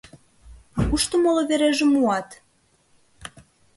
— А кушто моло вереже муат?